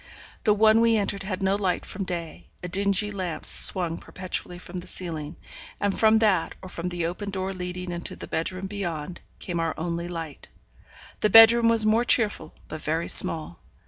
The one we entered had no light from day; a dingy lamp swung perpetually from the ceiling, and from that, or from the open door leading into the bedroom beyond, came our only light. The bedroom was more cheerful, but very small.